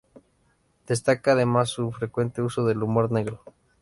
Destaca además su frecuente uso del humor negro.